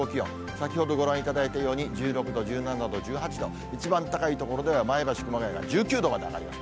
先ほどご覧いただいたように、１６度、１７度、１８度、一番高い所では前橋、熊谷が１９度まで上がります。